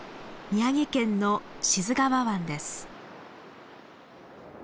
宮城県の志津川湾です。